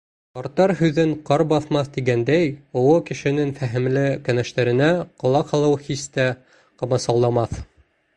Ҡарттар һүҙен ҡар баҫмаҫ тигәндәй, оло кешенең фәһемле кәңәштәренә ҡолаҡ һалыу һис тә ҡамасауламаҫ.